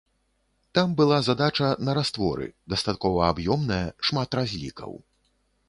Там была задача на растворы, дастаткова аб'ёмная, шмат разлікаў.